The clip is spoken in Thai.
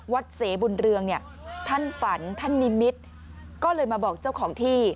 เสบุญเรืองเนี่ยท่านฝันท่านนิมิตรก็เลยมาบอกเจ้าของที่